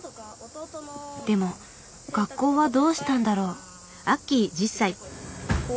でも学校はどうしたんだろう？